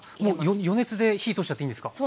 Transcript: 予熱で火通しちゃっていいんですか？